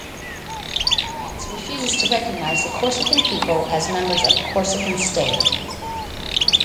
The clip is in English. France refuses to recognize the Corsican people as members of a Corsican state.